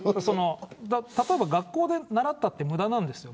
例えば学校で習っても無駄なんですよ。